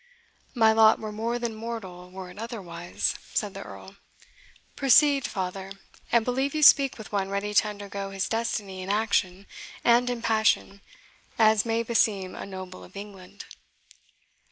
"My lot were more than mortal were it otherwise," said the Earl. "Proceed, father, and believe you speak with one ready to undergo his destiny in action and in passion as may beseem a noble of England."